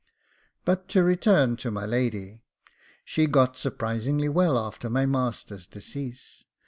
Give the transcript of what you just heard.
But to return to my lady. She got surprisingly well after my master's decease.